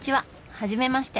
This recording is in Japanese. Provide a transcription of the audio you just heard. はじめまして。